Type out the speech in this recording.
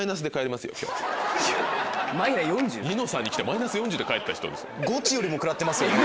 『ニノさん』に来てマイナス４０で帰った人です。